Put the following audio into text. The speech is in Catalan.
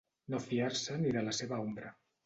No fiar-se ni de la seva ombra.